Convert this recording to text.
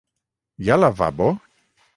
Hi ha lavabo?